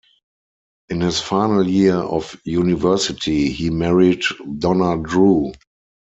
In his final year of university, he married Donna Drew.